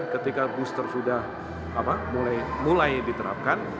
ketika booster sudah mulai diterapkan